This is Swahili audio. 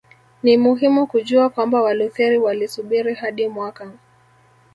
Ni muhimu kujua kwamba Walutheri walisubiri hadi mwaka